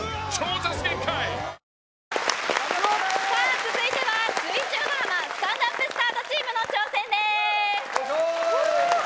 続いては水１０ドラマスタンドＵＰスタートチームの挑戦です。